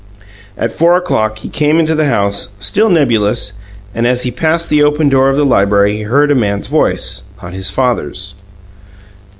At four o'clock he came into the house, still nebulous, and as he passed the open door of the library he heard a man's voice, not his father's.